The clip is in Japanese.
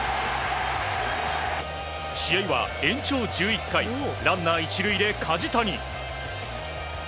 試合は延長１１回ランナー１塁で梶谷。